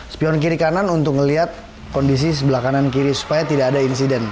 spion kiri kanan untuk melihat kondisi sebelah kanan kiri supaya tidak ada insiden